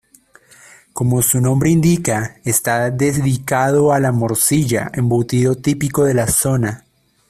Como su nombre indica, está dedicado a la morcilla, embutido típico de la zona.